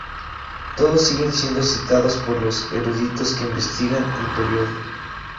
Todos siguen siendo citados por los eruditos que investigan el período.